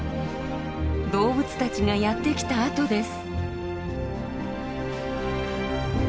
動物たちがやって来た跡です。